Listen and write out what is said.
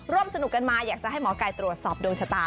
ร่วมสนุกกันมาอยากจะให้หมอกายตรวจสอบโดยชะตา